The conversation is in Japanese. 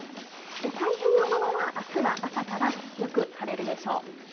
太平洋側はあすは朝からよく晴れるでしょう。